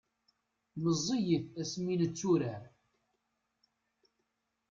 meẓẓiyit asmi netturar